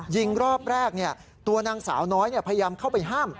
ยิงรอบแรกตัวนางสาวน้อยพยายามเข้าไปห้าม